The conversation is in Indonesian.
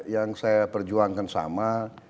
yang saya perjuangkan sama